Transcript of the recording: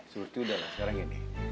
sorti udah lah sekarang gini